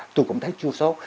tôi cũng thấy chua sốt